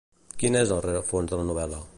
Quin és el rerefons de la novel·la?